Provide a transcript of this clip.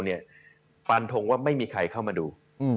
ก็พลังทุนทุนว่าไม่มีใครเข้ามาดู